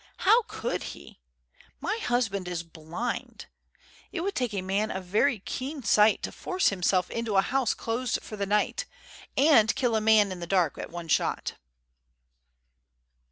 How could he? My husband is blind. It would take a man of very keen sight to force himself into a house closed for the night, and kill a man in the dark at one shot."